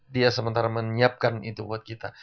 dia sementara menyiapkan itu buat kita